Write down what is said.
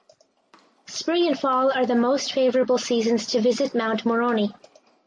Spring and fall are the most favorable seasons to visit Mount Moroni.